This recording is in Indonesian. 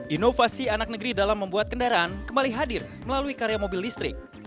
inovasi anak negeri dalam membuat kendaraan kembali hadir melalui karya mobil listrik